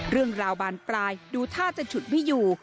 เรื่องราวบานปลายดูท่าจะฉุดไม่อยู่